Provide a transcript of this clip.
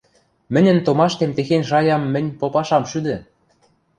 Мӹньӹн томаштем техень шаям мӹнь попаш ам шӱдӹ!